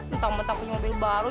betapa punya mobil baru